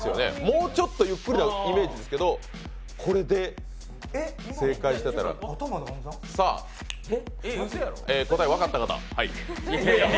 もうちょっとゆっくりなイメージですけど、これで正解してたら答え、分かった方？